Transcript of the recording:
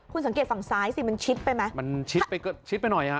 คุณสังเกตฝั่งซ้ายสิมันชิดไปไหมมันชิดไปก็ชิดไปหน่อยฮะ